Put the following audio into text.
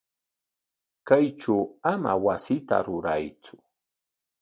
Kaytraw ama wasita ruraytsu.